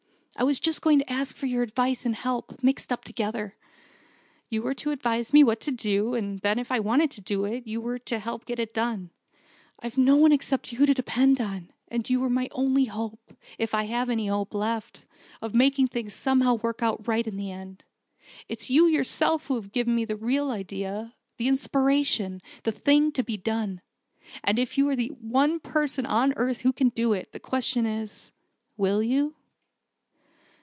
I was just going to ask for your advice and help, mixed up together. You were to advise me what to do; and then if I wanted to do it, you were to help get it done. I've no one except you to depend on, and you were my only hope if I had any hope left of making things somehow work out right in the end. It's you yourself who has given me the real idea the inspiration: the thing to be done. And if you are the one person on earth who can do it, the question is will you?"